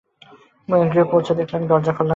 গৃহে পৌঁছে দেখলেন, দরজা খোলা।